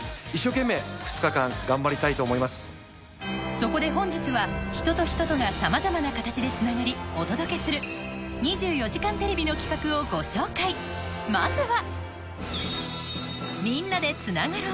そこで本日は人と人とがさまざまな形でつながりお届けする『２４時間テレビ』の企画をご紹介まずは！